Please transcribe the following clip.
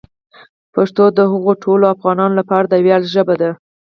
پښتو د هغو ټولو افغانانو لپاره د ویاړ ژبه ده.